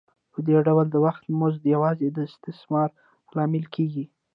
په دې ډول د وخت مزد یوازې د استثمار لامل کېږي